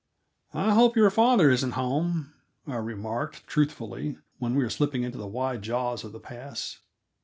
"I hope your father isn't home," I remarked truthfully when we were slipping into the wide jaws of the pass.